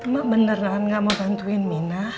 mak beneran gak mau bantuin mina